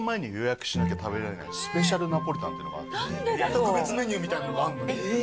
特別メニューみたいなのがあんの。